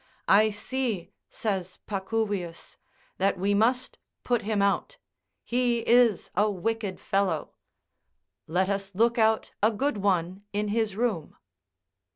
"I see," says Pacuvius, "that we must put him out; he is a wicked fellow; let us look out a good one in his room."